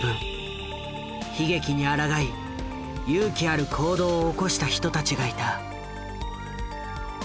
悲劇にあらがい勇気ある行動を起こした人たちがいた。